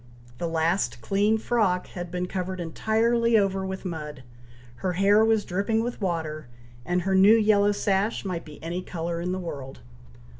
The last clean frock had been covered entirely over with mud her hair was dripping with water and her new yellow sash might be any colour in the world.